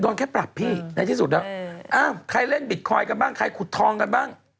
โดนแค่ปรับพี่ในที่สุดแล้วอ้าวใครเล่นบิตคอยนกันบ้างใครขุดทองกันบ้าง